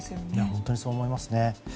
本当にそう思います。